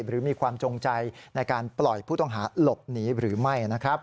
หรือมีความจงใจในการปล่อยผู้ต้องหาหลบหนีหรือไม่นะครับ